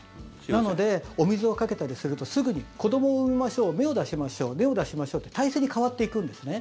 なので、お水をかけたりするとすぐに子どもを産みましょう芽を出しましょう芽を出しましょうって態勢に変わっていくんですね。